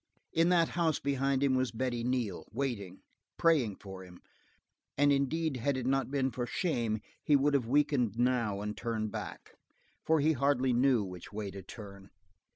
In that house behind him was Betty Neal, waiting, praying for him, and indeed, had it not been for shame, he would have weakened now and turned back. For he hardly knew which way to turn.